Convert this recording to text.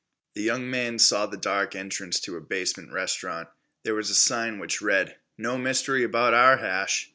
The young man saw the dark entrance to a basement restaurant. There was a sign which read "No mystery about our hash"!